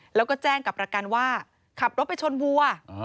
แล้วก็แจ้งกับประกันว่าขับรถไปชนวัว